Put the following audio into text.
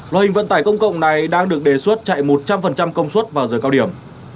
loại hình vận tải công cộng này đang được đề xuất chạy một trăm linh công suất vào giờ cao điểm